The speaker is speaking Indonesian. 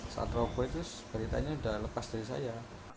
saat rokok itu beritanya sudah lepas dari saya